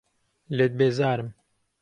لێت بێزارم.